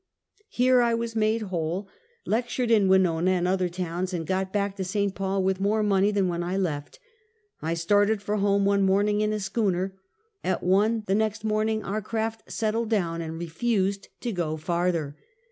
Here I was made whole, lectured in Winona and other towns, and got back to St. Paul with more money than when I left. I started for home one morning in a schooner. A.t one the next morning our craft settled down and refused to go farther.